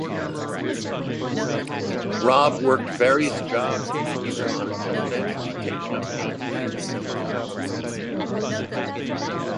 Robb worked various jobs in the Yukon until eventually taking up painting.